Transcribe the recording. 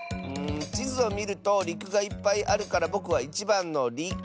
ちずをみるとりくがいっぱいあるからぼくは１ばんのりく！